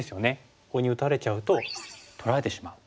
ここに打たれちゃうと取られてしまう。